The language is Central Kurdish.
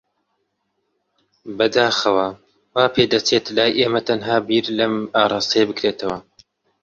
بەداخەوە، وا پێدەچێت لای ئێمە تەنها بیر لەم ئاراستەیە بکرێتەوە.